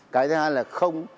cái thứ hai là không